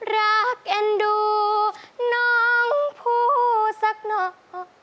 รักเอ็นดูน้องภูสักหน่อย